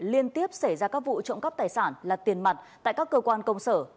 liên tiếp xảy ra các vụ trộm cắp tài sản là tiền mặt tại các cơ quan công sở